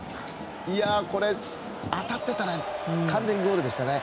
当たってたら完全にゴールでしたね。